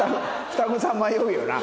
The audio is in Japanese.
双子さん迷うよな。